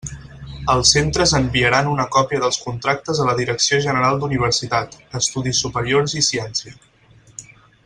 Els centres enviaran una còpia dels contractes a la Direcció General d'Universitat, Estudis Superiors i Ciència.